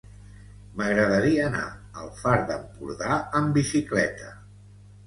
M'agradaria anar al Far d'Empordà amb bicicleta.